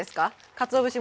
かつお節